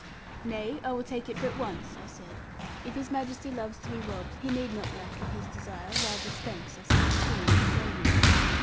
'Nay, I will take it but once,' I said; 'if His Majesty loves to be robbed, he need not lack of his desire, while the Spanks are sixteen in family.'